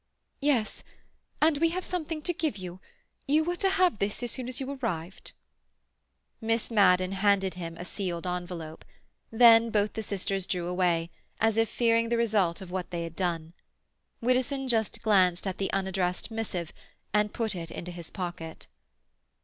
"Yes. And we have something to give you. You were to have this as soon as you arrived." Miss Madden handed him a sealed envelope; then both the sisters drew away, as if fearing the result of what they had done. Widdowson just glanced at the unaddressed missive and put it into his pocket.